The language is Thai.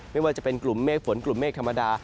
ไม่ว่าจะเป็นกลุ่มเมฆฝนกลุ่มเมฆธรรมดา